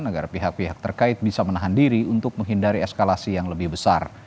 agar pihak pihak terkait bisa menahan diri untuk menghindari eskalasi yang lebih besar